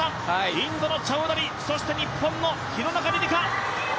インドのチャウダリ日本の廣中璃梨佳！